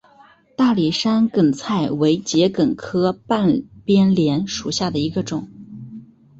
大理山梗菜为桔梗科半边莲属下的一个种。